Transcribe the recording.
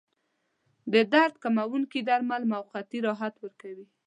د درد کموونکي درمل موقتي راحت ورکوي.